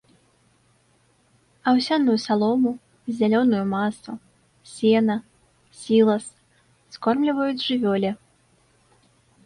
Аўсяную салому, зялёную масу, сена, сілас скормліваюць жывёле.